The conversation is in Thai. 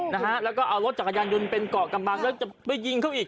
นะฮะแล้วก็เอารถจักรยานยนต์เป็นเกาะกำลังแล้วจะไปยิงเขาอีก